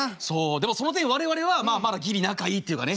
でもその点我々はまだギリ仲いいっていうかね。